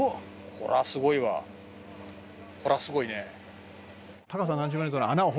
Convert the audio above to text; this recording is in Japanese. これはすごいね。